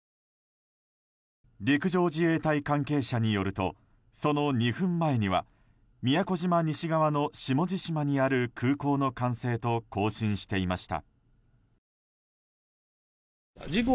陸上自衛隊関係者によるとその２分前には宮古島西側の下地島にある空港の管制塔と交信していました。